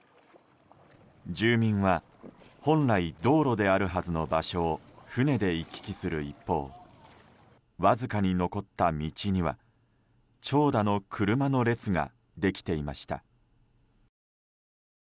住民は本来、道路であるはずの場所を船で行き来する一方わずかに残った道には長蛇の車の列ができていました。